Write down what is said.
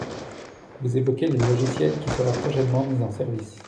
Vous évoquez le logiciel qui sera prochainement mis en service.